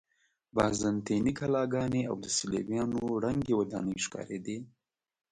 بازنطیني کلاګانې او د صلیبیانو ړنګې ودانۍ ښکارېدې.